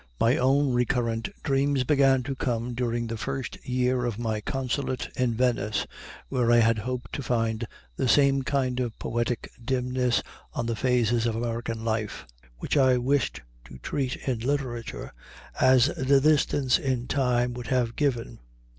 My own recurrent dreams began to come during the first year of my consulate at Venice, where I had hoped to find the same kind of poetic dimness on the phases of American life, which I wished to treat in literature, as the distance in time would have given.